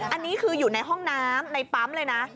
อันนี้คืออยู่ในห้องน้ำในปั๊มเลยนะ